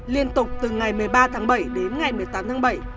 liên tục từ ngày một mươi ba tháng bảy đến ngày một mươi tám tháng bảy